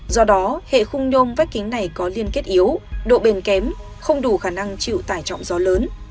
do đó hệ khung nhôm vách kính này có liên kết yếu độ bền kém không đủ khả năng chịu tải trọng gió lớn